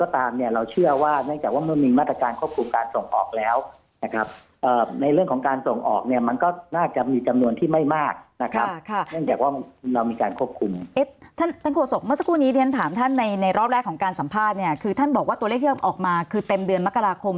ตัวเลขที่ออกมาเต็มเดือนมรกราคม